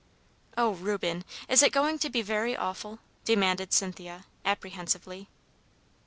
"Oh, Reuben! is it going to be very awful?" demanded Cynthia, apprehensively.